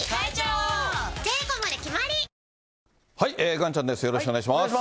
岩ちゃんです、よろしくお願いします。